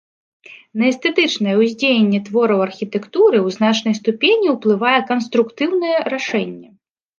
На эстэтычнае ўздзеянне твораў архітэктуры ў значнай ступені ўплывае канструктыўнае рашэнне.